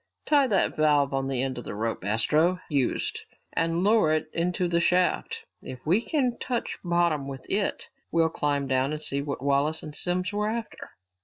Tie that valve on the end of the rope Astro used and lower it into the shaft. If we can touch bottom with it, we'll climb down and see what Wallace and Simms were after."